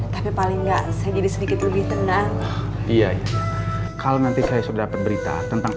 tapi paling enggak saya jadi sedikit lebih tenang iya kalau nanti saya sudah dapat berita tentang